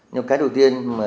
nhưng cái đầu tiên